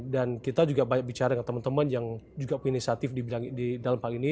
dan kita juga banyak bicara dengan teman teman yang juga inisiatif di dalam hal ini